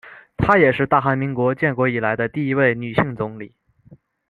她也是大韩民国建国以来的第一位女性总理。